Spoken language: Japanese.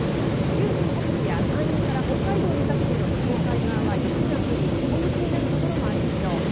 九州北部や山陰から北海道にかけての日本海側は雪が降り、大雪になる所もあるでしょう。